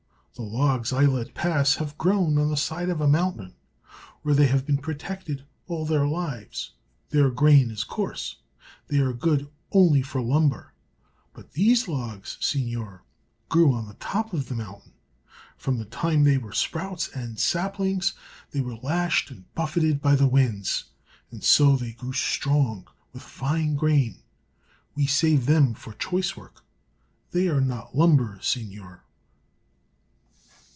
The logs I let pass have grown on the side of a mountain, where they have been protected all their lives. Their grain is coarse; they are good only for lumber. But these logs, seignior, grew on the top of the mountain. From the time they were sprouts and saplings they were lashed and buffeted by the winds, and so they grew strong with fine grain. We save them for choice work; they are not 'lumber,' seignior."